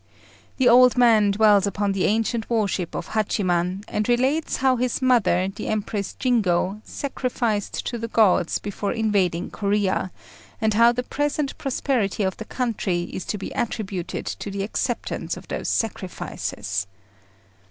The old man dwells upon the ancient worship of Hachiman, and relates how his mother, the Empress Jingo, sacrificed to the gods before invading Corea, and how the present prosperity of the country is to be attributed to the acceptance of those sacrifices.